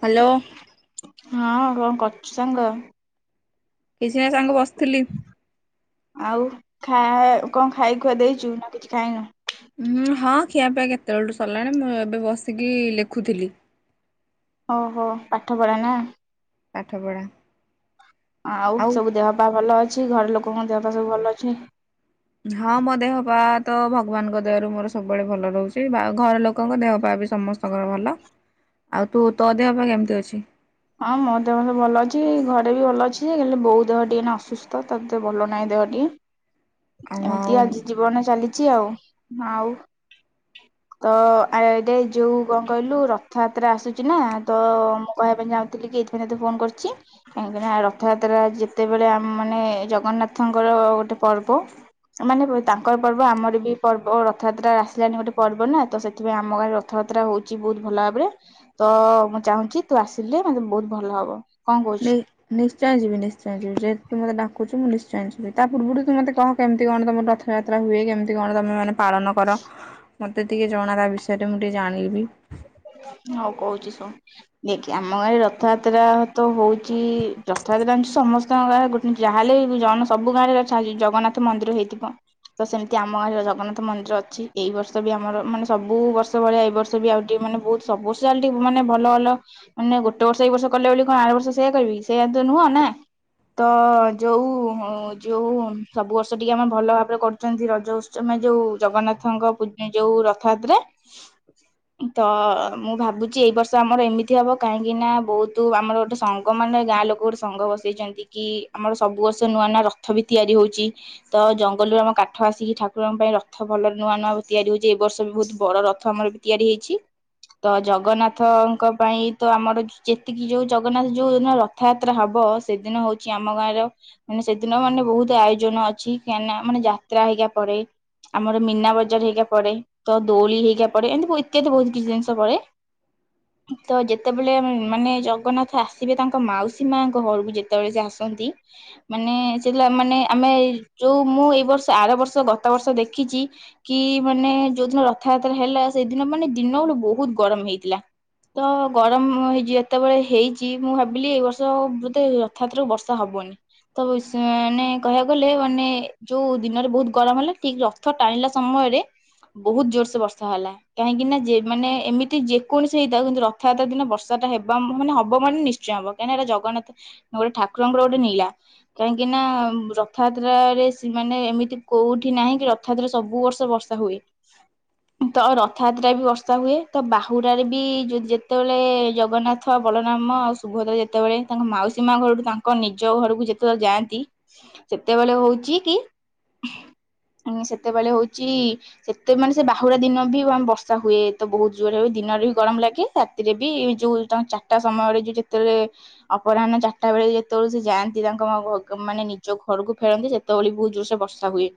Hello [inaudible] ହଁ କଣ କରଛୁ ସାଙ୍ଗ। କିଛି ସମୟ ସାଙ୍ଗ ବସିଥିଲି। ଆଉ ଖା କଣ ଖାଇ ଖୁଆ ଦେଇଛୁ ନା କିଛି ଖାଇନୁ। ହୁଁ ହଁ ଖିଆ ପାଇଁ କେତେବେଳଠୁ ସରିଲାଣି ମୁଁ ଏବେ ବସିକି ଲେଖୁଥିଲି। ଓହୋ ପାଠ ପଢ଼ା ନା। ପାଠ ପଢ଼ା। ଆଉ ସବୁ ଦେହ ବା ଭଲ ଅଛି। ଅଛି ଘରେ ଲୋକଙ୍କ ଦେହ ପାଇଁ ସବୁ ଭଲ ଅଛି। ହଁ ମୋ ଦେହ ପା ତ ଭଗବାନଙ୍କ ଦେହରୁ ମୋର ସବୁବେଳେ ଭଲ ରହୁଛି ଘର ଲୋକଙ୍କ ଦେହ ପା ବି ସମସ୍ତଙ୍କର ଭଲ ଆଉ ତୁ ତୋ ଦେହ ପା କେମିତି ଅଛି। ହଁ ମୋ ଦେହତେ ଭଲ ଅଛି ଘରେ ବି ଭଲ ଅଛି ଯେହିଲେ ବୋଉ ଦେହ ଟଏ ଅସୁସ୍ଥ ତାେ ଭଲ ନାହିଁ ଦେହ ଟିକେ। ଆଉ ଆଉ ଏମିତି ଆଜି ଜୀବନ ଚାଲିଛି ଆଉ ଆଉ ତ ଏଟ ଯୋଉ କଣ କହିଲୁ ରଥଯାତ୍ରା ଆସୁଛି ନା ତ ମୁ କହିବା ପାଇଁ ଯାଉ। ଥିଲ କି ଏଇଥିପାଇଁତେ ଫୋନ କରିୁଛି କାହିଁକିନା ରଥଯାତ୍ରା ଯେତେବେଳେମ ମାନେ ଜଗନ୍ନାଥଙ୍କର ଗୋଟେ ପର୍ବ ମାନେ ତାଙ୍କର ପର୍ବ ଆମର ବି ପର୍ବ ରଥଯାତ୍ରା ଆସିଲାଣି ଗୋଟେ ପର୍ବ ନା ତ ସେଥିପାଇଁ ଆମ ଗାଁରେ ରଥଯାତ୍ରା ହଉଛି ବହୁତ ଭଲ ଭାବରେ ତ ମୁଁ ଚାହୁଁଛି ତୁ ଆସିଲେ। ବହୁତ ଭଲ ହବ। କଣ କହୁଛୁ ନିଶ୍ଚୟ ଯିବି ନିଶ୍ଚୟ ଯିବି ଯେହେୁ ମୋତେ। କୁ ମୁଁ ନିଶ୍ଚୟ ଯିବି ତା ପୂର୍ବରୁ ତୁ ମତେ କହ କେମିତି କଣମ ରଥଯାତ୍ରା ହଏ କେମତି କଣ ତମେ। ପାଳନ କର। ମତେ ଟିକେ ଜଣା ତା ବିଷୟରେ ମୁଁ ଟିକେ ଜାଣିବି। ହଉ କହୁଛି ଶୁ ଦେଖି ଆମ ଗାଁରେ ରଥଯାତ୍ରା ତ ହଉଛି ରଥଯାତ୍ରାଛି ସମସ୍ତଙ୍କ ଗାରେ ଗୋଟେ ଯାହାେଲେ ଜ ସବୁ ଗାଁରେ ଜଗନ୍ନାଥ ମନ୍ଦିର ହେଇଥିବ ତ ସେମିତି ଆମ ଗାଁରେ ଜଗନ୍ନାଥ ମନ୍ଦିର ଅଛି ଏଇ ବର୍ଷ ବି ଆମର ମାନେ ସବୁ ବର୍ଷ ଭଳିଆ ଏଇ ବର୍ଷ ବି ଆଉ। ମାନେ ବହୁତ ସବୁ ବର୍ଷା ଟିକେ ମାନେ ଭଲ ଭଲ ମାନେ ଗୋଟେ ବର୍ଷ ଏକ ବର୍ଷ କଲେ ବୋଲି କଣ ଆଠ ବର୍ଷ ସେଇୟଆ କରିବି ସେଇଆ ତ ନୁହଁ ନା ତ ଯୋଉ ଯୋଉ ସବୁ ବର୍ଷ ଟିକେ ଆମର ଭଲ ଭାବରେ କରୁଛନ୍ତି ରଜ ଉତ୍ସମ ଯୋଉ ଜଗନ୍ନାଥଙ୍କ ଯୋଉ ରଥଯାତ୍ରରେ। ତ ମୁଁ ଭାବୁଛି ଏଇ ବର୍ଷ ଆମର ଏମିତି ହବ କାହିଁକି ନା ବହୁତ ଆମର ଗୋଟେ ସଙ୍ଗ ମାନେ ଗାଁ ଲୋକ ଗୋଟେ ସଙ୍ଗ ବସେଇଛନ୍ତି କି ଆମର ସବୁ ବର୍ଷ ନୂଆ ନୂଆ ରଥ ବି ତିଆରି ହଉଛି ତ ଜଙ୍ଗଲରୁୁ ଆମ କାଠ ଆସିକି ଠାକୁରଙ୍କ ପାଇଁ ରଥ ଭଲରେ ନୂଆ ନୂଆ ତିଆରି ହଉଛି ଏ ବର୍ଷ ବି ବହୁତ ବଡ ରଥ ଆମର। ତିଆରି ହେଇଛି ତ ଜଗନ୍ନାଥଙ୍କ ପାଇଁ ତ ଆମର ଯେତିକି ଯୋଉ ଜଗନ୍ନାଥ ଯୋଉ ଦିନ ରଥଯାତ୍ରା ହବ ସେଦିନ ହଉଛି ଆମ ଗାଁର ମାନେ ସେଦିନ ମାନେ ବହୁତ ଆୟୋଜନ ଅଛି କାହିଁକିନା ମାନେ ଯାତ୍ରା ହେଇକକା ପଡେ ଆମର ମୀନା ବଜାର ହେଇକକା ପଡେ ତ ଦୋଳି ହେଇକକା ପଡେ ଏମିତି। ଇତ୍ୟାଦି ବହୁତ କିଛି ଜିନିଷ ପେ ତ ଯେତେବେଳେ ମାନେ ଜଗନ୍ନାଥ ଆସିବେ ତାଙ୍କ ମାଉସୀ ମାଙ୍କ ଘରକୁ ଯେତେବେଳେ ସେ ଆସନ୍ତି ମାନେ ସେ ମାନେ ଆମେ ଯୋଉ ମୁଁ ଏଇ ବର୍ଷ ଆର ବର୍ଷ ଗତ ବର୍ଷ ଦେଖିଛି କି ମାନେ ଯୋଉ ଦିନ ରଥଯାତ୍ରା ହେଲା। ସେଦିନ ମାନେ ଦିନ ବେଳ ବହୁତ ଗରମ ହେଇଥିଲା ତ ଗରମ ହେଇ ଯେତେବେଳେ ହେଇଛି ମୁଁ ଭାବିଲି ଏ ବର୍ଷ ବଧେ ରଥଯାତ୍ର ବର୍ଷା ହବନି ତ ମାନେ କହିବାକୁ ଗଲେ ମାନେ ଯୋଉ ଦିନରେ ବହୁତ ଗରମ ହେଲା ଠିକ ରଥ ଟାଣିଲା ସମୟରେ ବହୁତ ଜୋର ସେ ବର୍ଷା ହେଲା। କାହିଁକି ନା ମାନେ ଏମିତି ଯେକୌଣସି ହେଇଥାଉ କିନ୍ତୁ ରଥଯାତ୍ରା ଦିନ ବର୍ଷା ଟା ହେବା ମାନେ ହବ ମାନେ ନିଶ୍ଚୟ ହବ କାହିଁକି ଏଟା ଜଗନ୍ନାଥ ଗୋଟେ ଠାକୁରଙ୍କର ଗୋଟେ ନୀଳା କାହିଁକି ନା ରଥଯାତ୍ରାରେ ମାନେ ଏମିତି କୋଉଠି ନାହିଁ କି ରଥଯାତ୍ରାରେ ସବୁ ବର୍ଷ ବର୍ଷା ହୁଏ ତ। ଯଥଯାତ୍ରା ବି ବର୍ଷା ହୁଏ ତ ବାହୁଡ଼ାରେ ବି ଯି ଯେତେବେଳେ ଜଗନ୍ନାଥ ବଳରାମଉ ସୁଭଦ୍ରା ଯେତେବେଳେ ତାଙ୍କ ମାଉସୀ ମା ଘରଠ ତାଙ୍କ ନିଜ ଘରକୁ ଯେତେବେଳେ ଯାଆନ୍ତି ସେତେବେଳେ ହଉଛି କି ସେତେବେଳେ ହଉଛି ସେତେ ମାନେ ସେ ବାହୁଡ଼ା ଦିନ ବି। ବର୍ଷା ହୁଏ ତ ବହୁତ ଜୋରରେ ହ ଦିନରେ ବି ଗରମ ଲାଗେ ରାତିରେ ବି ଯୋଉ ତାଙ୍କ ଚାରିଟା ସମୟରେ ଯୋଉ ଯେତେବେଳେ ଅପରାହ୍ନ ଚାରିଟା ବେଳେ ଯେତେବେଳେ ସେ ଯାଆନ୍ତି ତାଙ୍କ ମାନେ ନିଜ ଘରକୁ ଫେରନ୍ତି ସେତେବେଳେ ବି ବହୁତ ଜୋର ସେ ବର୍ଷା ହୁଏ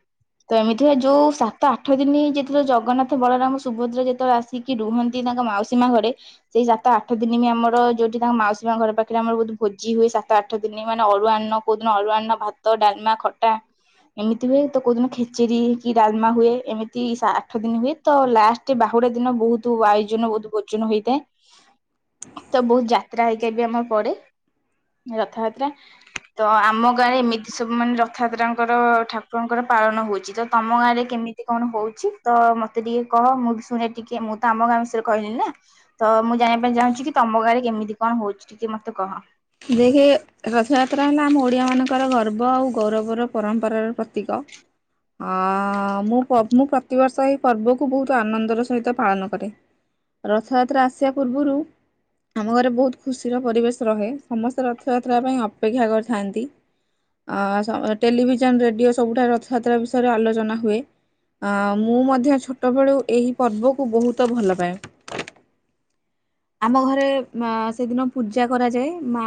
ତ ଏମିତି ଯୋଉ ସାତ ଆଠ ଦିନ ଯେତେବେଳେ ଜଗନ୍ନାଥ ବଳରାମ। ସୁଭଦ୍ରା ଯେତେବେଳେ ଆସିକି ରୁହନ୍ତି ତାଙ୍କ ମାଉସୀ ମା ଘରେ ସେଇ ସାତ ଆଠ ଦିନ ବି ଆମର ଯୋଉଠି ତାଙ୍କ ମାଉସୀ ମା ଘର ପାଖରେ ଆମର ବହୁତ ଭୋଜି ହୁଏ ସାତ ଆଠ ଦିନ ମାନେ ଅରୁଆ ଅନ୍ନ କୋଉଦିନ ଅରୁୁଆ ଅନ୍ନ ଭାତ ଡାଲମା ଖଟା ଏମିତି ହୁଏ ତ କୋଉଦିନ ଖେଚେରି କି ଡାଲମା ହୁଏ ଏମିତି ଆଠ ଦିନ ହୁଏ ତ ଲାଷ୍ଟ ଏ ବାହୁଡା ଦିନ ବହୁତ ଆୟୋଜନ ବହୁତ ଭୋଜନ ହେଇଥାଏ ତ ବହୁତ ଯାତ୍ରା ହେଇକା ବି ଆମର ପଡେ ରଥଯାତ୍ରା ତ ଆମ ଗାଁରେ ଏମିତି ସବୁ ମାନେ ରଥଯାତ୍ରାଙ୍କର ଠାକୁରଙ୍କର ପାଳନ ହଉଛି ତ ତମ ଗାଁ ରେ କେମିତି କଣ ହଉଛି ତ ମତେ ଟିକେ କହ ମୁଁ ଶୁଣେ ଟିକେ ମୁଁ ତ ଆମ ଗାଁ ବିଷୟରେ କହିଲି ନା ତ ମୁଁ ଜାଣିବା ପାଇଁ ଚାହୁଁଛି କି ତମ ଗାଁରେ କେମିତି କଣ ହଉଛି ଟିକେ ମତେ କହ। ଦେଖେ ରଥଯାତ୍ରା ହେଲା ଆମ ଓଡିଆ ମାନଙ୍କ ଙ୍କର ଗର୍ବ ଆଉ ଗୌରବର ପରମ୍ପରାର ପ୍ରତୀକ। ହଁ ମୁଁ ପ୍ରତି ମୁଁ ପ୍ରତି ପ୍ରତିବର୍ଷ ଏହି ପର୍ବକୁ ବହୁତ ଆନନ୍ଦର ସହିତ ପାଳନ କରେ ରଥଯାତ୍ରା ଆସିବା ପୂର୍ବରୁ ଆମ ଘରେ ବହୁତ ଖୁସିର ପରିବେଶ ରହେ ସମସ୍ତେ ରଥଯାତ୍ରା ପାଇଁ ଅପେକ୍ଷା କରିଥାନ୍ତି ଟେଲିଭିଜନ ରେଡ଼ିଓ ସବୁଠାରେ ରଥଯାତ୍ରା ବିଷୟରେ ଆଲୋଚନା ହୁଏ ମୁଁ ମଧ୍ୟ ଛୋଟବେଳୁ ଏହି ପର୍ବକୁ ବହୁତ ଭଲ ପାଏ ଆମ ଘରେ ସେଦିନ ପୂଜା କରାଯାଏ ମା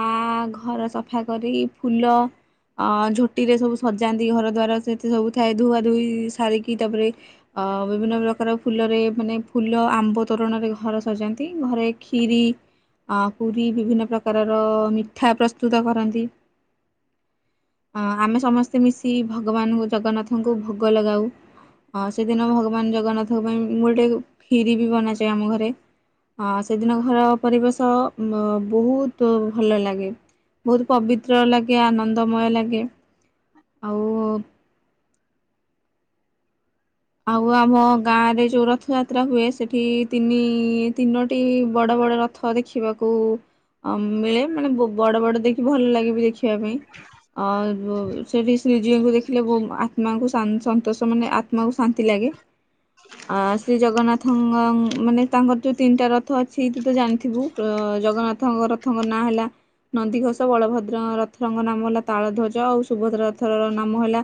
ଘର ସଫା କରି ଫୁଲ ଝୋଟିରେ ସବୁ ସଜାନ୍ତି ଘର ଦ୍ୱାର ସେତେ ସବୁ ଥାଏ ଧୁଆ ଧୋଇ ସାରିକି ତାପରେ ଅ ବିଭିନ୍ନ ପ୍ରକାର ଫୁଲରେ ମାନେ ଫୁଲ ଆମ୍ବ ତୋରଣରେ ଘର ସଜାନ୍ତି ଘରେ ଖିରି ପୁରୀ ବିଭିନ୍ନ ପ୍ରକାର ପ୍ରକାର ମିଠା ପ୍ରସ୍ତୁତ କରନ୍ତି ହଁ ଆମେ ସମସ୍ତେ ମିଶି ଭଗବାନଙ୍କୁ ଜଗନ୍ନାଥଙ୍କୁ ଭୋଗ ଲଗାଉ ସେଦିନ ଭଗବାନ ଜଗନ୍ନାଥଙ୍କ ପାଇଁ ମୁଁ ଗୋଟେ ଖିରି ବି ବନାଯାଏ ଆମ ଘରେ ସେଦିନ ଘର ପରିବେଶ ବହୁତ ତ ଭଲ ଲାଗେ ବହୁତ ପବିତ୍ର ଲାଗେ ଆନନ୍ଦମୟ ଲାଗେ ଆଉ ଆଉ ଆମ ଗାଁ ରେ ଯୋଉ ରଥ ଯାତ୍ରା ହୁଏ ସେବଠି ତିନି ତିନୋଟି ବଡ ବଡ ରଥ ଦେଖିବାକୁ ଅ ମିଳେ ମାନେ ବଡ ବଡ ଦେଖି ଭଲ ଲାଗିବ ଦେଖିବା ପାଇଁ ଆ ସେଠି ଶ୍ରୀଜୀିଉଙ୍କୁ ଦେଖିଲେ ବ ଆତ୍ମାଙ୍କୁ ଶାନ୍ତି ସନ୍ତୋଷ ମାନେ ଆତ୍ମାକୁ ଶାନ୍ତି ଲାଗେ ଆ ଶ୍ରୀ ଜଗନ୍ନାଥଙ୍କ ମାନେ ତାଙ୍କର ଯୋଉ ତିନିଟା ରଥ ଅଛି ତୁ ତ ଜାଣିଥିବୁ ଜଗନ୍ନାଥଙ୍କ ରଥଙ୍କ ନାଁ ହେଲା ନନ୍ଦିଘୋଷ ବଳଭଦ୍ର ରଥଙ୍କ ନାମ ହେଲା ତାଳଧ୍ୱଜ ଆଉ ସୁଭଦ୍ରାର ରଥର ନାମ ହେଲା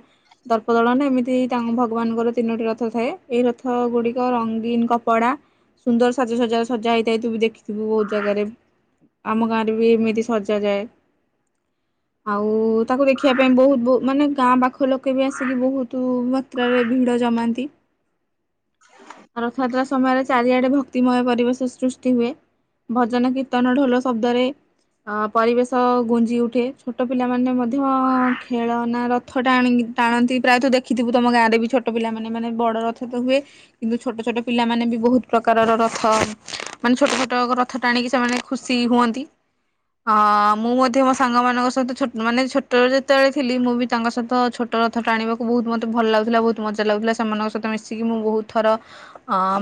ଦର୍ପଦଳନ ଏମିତି ତାଙ୍କ ଭଗବାନଙ୍କର ତିନୋଟି ରଥ ଥାଏ ଏଇ ରଥ ଗୁଡିକ ରଙ୍ଗୀନ କପଡ଼ା ସୁନ୍ଦର ସାଜସଜା ସଜା ହେଇଥାଏ ତୁ ବି ଦେଖିଥିବୁ ବହୁତ ଜାଗାରେ ଆମ ଗାଁ ରେ ବି ଏମିତି ସଜା ଯାଏ ଆଉ ତାକୁ ଦେଖିବା ପାଇଁ ବହୁତ ମାନେ ଗାଁ ପାଖ ପାଖ ଲୋକେ ବି ଆସିକି ବହୁତ ମାତ୍ରାରେ ଭିଡ଼ ଜମାନ୍ତି ଘର ଛାଡ଼ି ଯାତ୍ରା ସମୟରେ ଚାରିଆଡ଼େ ଭକ୍ତିମୟ ପରିବେଶ ସୃଷ୍ଟି ହୁଏ ଭଜନ କୀର୍ତ୍ତନ ଢୋଲ ଶବ୍ଦରେ ଅ ପରିବେଶ ଗୁଞ୍ଜି ଉଠେ ଛୋଟ ପିଲାମାନେ ମଧ୍ୟ ଖେଳନା ରଥ ଟାଣି ଟାଣନ୍ତି ପ୍ରାୟତଃ ଦେଖିଥିବୁ ତମ ଗାଁରେ ବି ଛୋଟ ଛୋଟପିଲାମାନେ ମାନେ ବଡ଼ ରଥ ରଥ ହୁଏ କିନ୍ତୁ ଛୋଟ ଛୋଟ ପିଲାମାନେ ବି ବହୁତ ପ୍ରକାରର ରଥ ମାନେ ଛୋଟ ଛୋଟ ରଥ ଟାଣିକି ସେମାନେ ଖୁସି ହୁଅନ୍ତି ଅ ମୁଁ ମଧ୍ୟ ମୋ ସାଙ୍ଗ ମାନଙ୍କ ସହିତ ମାନେ ଛୋଟ ଛୋଟବେଳେ ଯେତେବେଳେ ଥିଲି ମୁଁ ବି ତାଙ୍କ ସହିତ ଛୋଟ ରଥ ଟାଣିବାକୁ ବହୁତ ମତେ ଭଲ ଲାଗୁଥିଲା ବହୁତ ମଜ୍ଜା ଲାଗୁଥିଲା ସେମାନଙ୍କ ସହିତ ମିଶିକି ମୁଁ ବହୁତ ଥର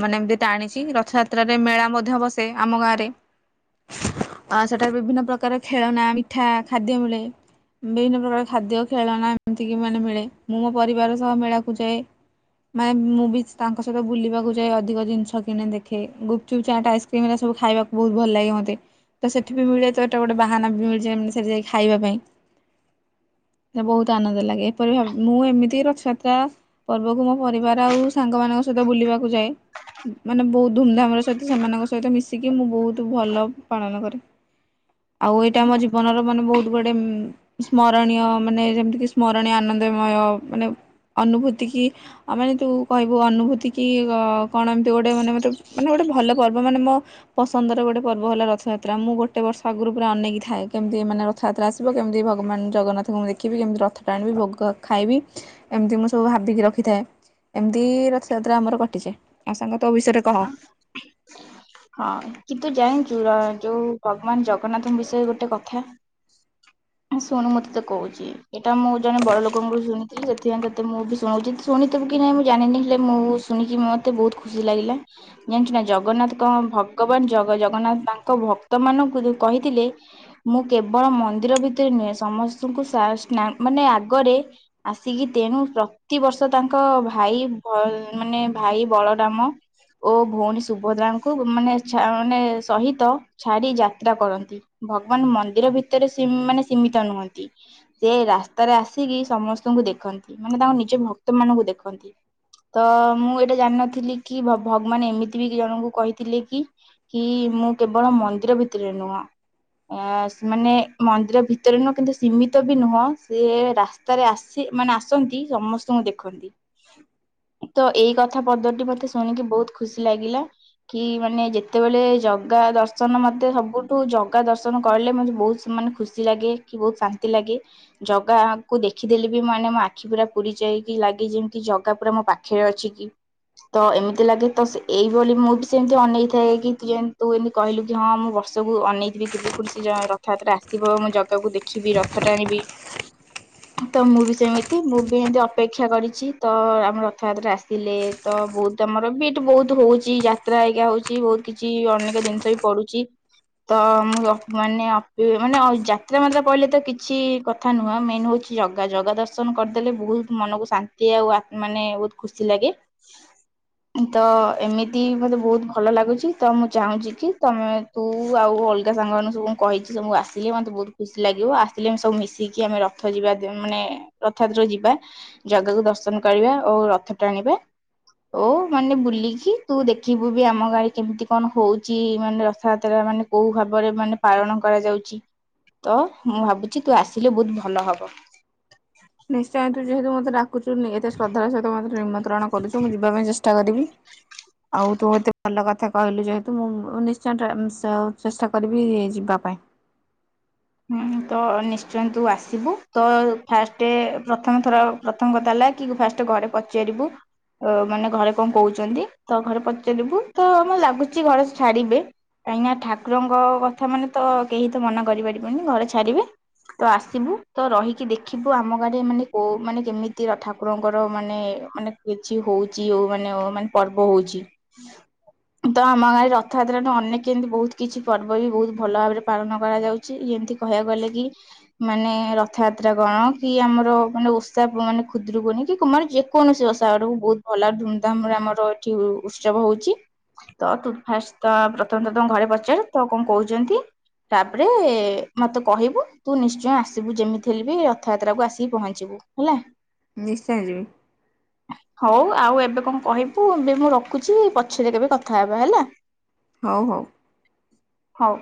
ମାନେ ଏମତି ଟାଣିଛି ରଥଯାତ୍ରାରେ ମେଳା ମଧ୍ୟ ବସେ ଆମ ଗାଁରେ ସେଠାରେ ବିଭିନ୍ନ ପ୍ରକାର ଖେଳନା ମିଠା ଖାଦ୍ୟ ମିଳେ ବିଭିନ୍ନ ପ୍ରକାର ଖାଦ୍ୟ ଖେଳନା ଏମିତିକି ମାନେ ମିଳେ ମୁଁ ମୋ ପରିବାର ସହ ମେଳାକୁ କୁ ଯାଏ ମାନେ ମୁଁ ବି ତାଙ୍କ ସହିତ ବୁଲିବାକୁ ଯାଏ ଅଧିକ ଜିନିଷ କିଣେ ଦେଖେ ଗୁପଚୁପ ଚାଟ୍ ଆଇସ୍କ୍ରିମ ଏଇରା ସବୁ ଖାଇବାକୁ ବହୁତ ଭଲ ଲାଗେ ମୋତେ ତ ସେଠି ବି ମିଳେ ତ ଏଟା ଗୋଟେ ବାହାନା ବି ମିଳିଯାଏ ମାନେ ସେଠି ଯାଇ ଖାଇବା ପାଇଁ ବହୁତ ଆନନ୍ଦ ଲାଗେ ଏପରି ଭାବେ ମୁଁ ଏମିତି ରଥଯାତ୍ରା ପର୍ବକୁ ମୋ ପରିବାର ଆଉ ସାଙ୍ଗମାନଙ୍କ ସହିତ ବୁଲିବାକୁ ଯାଏ ମାନେ ବହୁତ ଧୁମଧାମ ର ସହିତ ସେମାନଙ୍କ ସହିତ ମିଶିକି ମୁଁ ବହୁତ ଭଲ ପାଳନ କରେ। ଆଉ ଏଇଟା ଆମ ଜୀବନର ମାନେ ବହୁତ ଗୋଟେ ସ୍ମରଣୀୟ ମାନେ ଯେମିତିକି ସ୍ମରଣୀୟ ଆନନ୍ଦମୟ ମାନେ ଅନୁଭୂତି କି ଏ ମାନେ ତୁ କହିବୁ ଅନୁଭୂତି କି କଣ ଏମତି ଗୋଟେ ମାନେ ମତେ ମାନେ ଗୋଟେ ଭଲ ପର୍ବ ମାନେ ମୋ ପସନ୍ଦର ଗୋଟେ ପର୍ବ ହେଲା ରଥଯାତ୍ରା ମୁଁ ଗୋଟେ ବର୍ଷ ଆଗରୁ ପୁରା ଅନେଇକି ଥାଏ କେମିତି ମାନେ ରଥଯାତ୍ରା ଆସିବ କେମିତି ଭଗବାନ ଜଗନ୍ନାଥଙ୍କୁ ଦେଖିବି କେମିତି ରଥ ଟାଣିବି ଭୋଗ ଖାଇବି ଏମତି ମୁଁ ସବୁ ଭାବି ଭାବିକି ରଖିଥାଏ ଏମିତି ରଥଯାତ୍ରା ଆମର କଟିଯାଏ ଆଉ ସାଙ୍ଗ ତୋ ବିଷୟରେ କହ। ହଁ କିନ୍ତୁ ଯାାଇ ଯୋଉ ଯୋଉ ଭଗବାନ ଜଗନ୍ନାଥଙ୍କ ବିଷୟରେ ଗୋଟେ କଥା ଶୁଣୁ ମୁଁ ତତେ କହୁଛି ଏଇଟା ମୁଁ ଜଣେ ବଡ ଲୋକଙ୍କୁୁ ଠୁ ଶୁଣିଥିଲି ସେଥିପାଇଁ ତତେ ମୁଁ ବି ଶୁଣଉଛି ଶୁଣିଥବୁ କି ନାଇଁ ମୁଁ ଜାଣିନି ହେଲେ ମୁଁ ଶୁଣିକି ମତେ ବହୁତ ଖୁସି ଖଖୁସି ଲାଗିଲା ଜାଣିଛୁ ନା ଜଗନ୍ନାଥ କଣ ଭଗବାନ ଜଗନ୍ନାଥ ତାଙ୍କ ଭକ୍ତ ମାନଙ୍କୁ କହିଥିଲେ ମୁଁ କେବଳ ମନ୍ଦିର ଭିତରେ ନୁହେଁ ସମସ୍ତଙ୍କୁ ମାନେ ଆଗରେ ଆସିକି ତେଣୁ ପ୍ରତିିବର୍ଷ ତାଙ୍କ ଭାଇ ମାନେ ଭାଇ ବଳରାମ ରାମ ଓ ଭଉଣୀ ସୁଭଦ୍ରାଙ୍କୁ ମାନେ ମାନେ ସହିତ ଛାଡି ଯାତ୍ରା କରନ୍ତି ଭଗବାନ ମନ୍ଦିର ଭିତରେ ମାନେ ସୀମିତ ନୁହଁନ୍ତି ସେ ରାସ୍ତାରେ ଆସିକି ସମସ୍ତଙ୍କୁ ଦେଖନ୍ତି ମାନେ ତାଙ୍କ ନିଜ ଭକ୍ତ ମାନଙ୍କୁ ଦେଖନ୍ତି ତ ମୁଁ ଏଇଟା ଜାଣିନଥିଲି ଥିଲି କି ଭଗବାନ ଏମିତି ବି ଜଣଙ୍କୁ କହିଥିଲେ କି କି ମୁଁ କେବଳ ମନ୍ଦିର ଭିତରେ ନୁହଁ ସେ ମାନେ ମନ୍ଦିର ଭିତରେ ନୁହଁ କିନ୍ତୁ ସୀମିତ ବି ନୁହଁ ସେ ରାସ୍ତାରେ ଆସି ମାନେ ଆସନ୍ତି ସମସ୍ତଙ୍କୁ ଦେଖନ୍ତି ତ ଏଇ କଥା ପଦକ ମତେ ଶୁଣିକି ବହୁତ ଖୁସି ଲାଗିଲା କି ମାନେ ଯେତେବେଳେ ଜଗା ଦର୍ଶନ ମତେ ସବୁଠୁ ଜଗା ଦର୍ଶନ କରିଲେ ମତେ ବହୁତ ମାନେ ଖୁସି ଲାଗେ କି ବହୁତ ଶାନ୍ତି ଲାଗେ ଜଗାକୁୁ ଦେଖିଦେଲେ ବି ମାନେ ମୋ ଆଖି ପୁରା ପୂରି ଯାଇକି ଲାଗେ ଯେମିତି ଜଗା ପୁରା ମୋ ପାଖରେ ଅଛି କି ତ ଏମିତି ଲାଗେ ତ ଏଇଭଳି ମୁଁ ବି ସେମିତି ଅନେଇଥାଏ କି ଯେମିତି ତୁ ଏମିତି କହିଲୁ କି ହଁ ମୁଁ ବର୍ଷକୁ ଅନେଇଥିବି କେବେ ପୁଣି ସେ ରଥଯାତ୍ରା ଆସିବ ମୁଁ ଜଗାକୁ ଦେଖିବି ରଥ ଟାଣିବି ତ ମୁଁ ବି ସେମିତି ମୁଁ ବି ଏମତି ଅପେକ୍ଷା କରିଛି ତ ଆମ ରଥଯାତ୍ରା ଆସିଲେ ତ ବହୁତ ଆମର ବି ଏଇଟି ବହୁତ ହଉଛି ଯାତ୍ରା ହେଇକା ହଉଛି ବହୁତ କିଛି ଅନେକ ଜିନିଷ ବି ପଡୁଛି ତ ମୁଁ ମାନେ ମାନେ ଯାତ୍ରା ମାତ୍ରା ପଇଲେ ତ କିଛି କଥା ନୁହଁ ମେନ ହଉଛି ଜଗା ଜଗା ଦର୍ଶନ କରିଦେଲେ ବହୁତ ମନକୁ ଶାନ୍ତି ଆଉ ମାନେ ବହୁତ ଖୁସି ଲାଗେ ତ ଏମିତି ମତେ ବହୁତ ଭଲ ଲାଗୁଛି ତ ମୁଁ ଚାହୁଁଛି କି ତମେ ତୁ ଆଉ ଅଲଗା ସାଙ୍ଗ ମାନଙ୍କୁ ସବୁ କହିଛି ସବୁ ଆସିଲେ ମତେ ବହୁତ ଖୁସି ଲାଗିବ ଆସିଲେ ସବୁ ମିଶିକି ଆମେ ରଥ ଯିବା ମାନେ ରଥଯାତ୍ରାକୁ ଯିବା ଜଗାକୁ ଦର୍ଶନ କରିବା ଆଉ ରଥ ଟାଣିବା ଓ ମାନେ ବୁଲିକି ତୁ ଦେଖିବୁ ବି ଆମ ଗାଁରେ କେମିତି କଣ ହଉଛି ମାନେ ରଥଯାତ୍ରା ମାନେ କୋଉ ଭାବରେ ମାନେ ପାଳନ କରାଯାଉଛି ତ ମୁଁ ଭାବୁଛି ତୁ ଆସିଲେ ବହୁତ ଭଲ ହବ। ନିଶ୍ଚୟ। ଯେହେତୁ ମତେ ଡ଼ାକୁଚୁ ୁ ଏତ ଶ୍ରଦ୍ଧାର ସହିତ ମେ ନିମନ୍ତ୍ରଣ କରୁଁ ଯିବା ପାଇଁ ଚେଷ୍ଟ କର ଆଉ ତୁ ଏତେ ଭଲ କଥା କହିଲୁ ଯେହେତୁ ମୁ ନି୍ଚୟ ଚେଷ୍ଟା କରିବି ଯିବା ପାଇଁ ହୁଁ ତ ନିଶ୍ଚୟ ତୁ ଆସିବୁ ତ ଫାଷ୍ଟ ପ୍ରଥମଥର ପ୍ରଥମ କଥା ହେଲା କି ଫାଷ୍ଟ ଘରେ ପଚାରିବୁ ମାନେ ଘରେ କଣ କହୁଛନ୍ତି ତ ଘରେ ପଚାରିବୁ ତ ଆ ଲାଗୁଛି ଘରେ ଛାଡିବେ କାହିଁକି ଠାକୁରଙ୍କ କଥା ମାନେ ତ କେହି ତ ମନା କରିପାରିବେ ମ ଘରେ ଛାଡିବେ ତ ଆସିବୁ ତ ରହିକି ଦେଖିବୁ ଆମ ଗାଁରେ ମାନେ କୋଉ ମାନେ କେମିତି ରଥାକୁରଙ୍କର ମାନେ ମାନେ କିଛି ହଉଛିଉ ମାନେ ମାନେ ପର୍ବ ହଉଛି ତ ଆମ ଗାଁରେ ରଥଯାତ୍ରା ଅନେକ କେମିତି ବହୁତ କିଛି ପର୍ବ ବି ବହୁତ ଭଲ ଭାବରେ ପାଳନ କରାଯାଉଛି ଯେମିତି କହିବାକୁ ଗଲେ କି ମାନେ ରଥଯାତ୍ରା କଣ କି ଆମର ମାନେ ଓଷା ମାନେ ଖୁଦ୍ରକୁୁନି କି କୁମାର ଯେକୌଣସି ଓଷା ଆୁଡକୁ ବହୁତ ଭଲ ଧୁମଧାମରେ ଆମର ଏଠି ଉତ୍ସବ ହଉଛି ତ ତୁ ଫାଷ୍ଟ ତ ପ୍ରଥମେ ତ ତମ ଘରେ ପଚାର ତ କଣ କହୁଛନ୍ତି ତାପରେ ମତେ କହିବୁ ତୁ ନିଶ୍ଚୟ ଆସିବୁ ଯେମିତି ହେଲେ ବି ରଥଯାତ୍ରାକୁ ଆସିକି ପହଞ୍ଚିବୁ ହେଲା ନିଶ୍ଚୟ ଯିବି ହଉ ଆଉ ଏବେ କଣ କହିବୁ ଏବେ ମୁଁ ରଖୁଛି ପଛରେ କେବେ କଥା ହେବା ହେଲା ହଉ ହଉ ହଉ